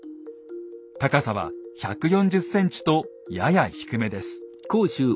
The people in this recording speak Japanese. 高さは１４０ｃｍとやや低めです。